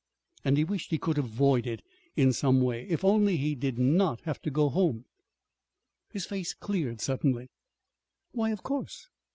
And he wished he could avoid it in some way. If only he did not have to go home His face cleared suddenly. Why, of course!